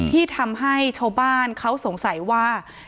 ที่ทำให้ชาวบ้านเขาสงสัยว่า